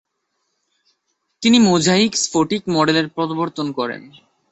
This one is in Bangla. তিনি মোজাইক স্ফটিক মডেল এর প্রবর্তন করেন।